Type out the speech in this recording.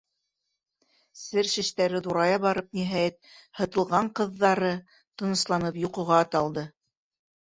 Сер шештәре ҙурая барып, ниһайәт, һытылған ҡыҙҙары, тынысланып, йоҡоға талды.